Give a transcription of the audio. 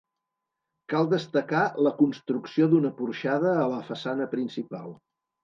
Cal destacar la construcció d'una porxada a la façana principal.